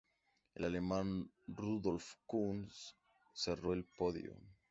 El alemán Rudolf Kunz cerró el podio.